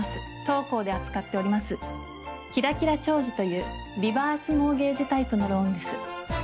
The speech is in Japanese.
当行で扱っております「キラキラ長寿」というリバースモーゲージタイプのローンです。